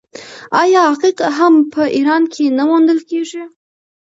آیا عقیق هم په ایران کې نه موندل کیږي؟